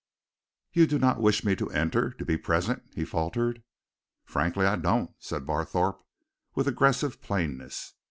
"You do not wish me to enter to be present?" he faltered. "Frankly, I don't," said Barthorpe, with aggressive plainness.